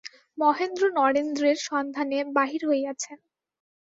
মহেন্দ্র নরেন্দ্রের সন্ধানে বাহির হইয়াছেন।